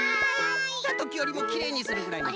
きたときよりもきれいにするぐらいのつもりでね。